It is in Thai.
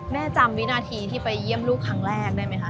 แม่จำวินาทีที่ไปเยี่ยมลูกครั้งแรกได้ไหมคะ